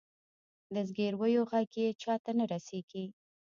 د زګیرویو ږغ یې چاته نه رسیږې